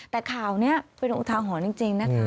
แต่ข่าวนี้เป็นอุทาหรณ์จริงนะคะ